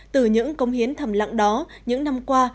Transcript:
từ những công hiến thầm lặng đó những năm qua